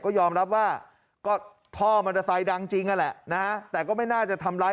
ก็ยอมรับว่าก็ท่อมอเตอร์ไซค์ดังจริงนั่นแหละนะแต่ก็ไม่น่าจะทำร้าย